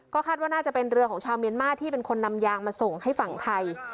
คาดว่าน่าจะเป็นเรือของชาวเมียนมาร์ที่เป็นคนนำยางมาส่งให้ฝั่งไทย